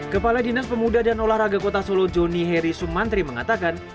kepala dinas pemuda dan olahraga kota solo joni heri sumantri mengatakan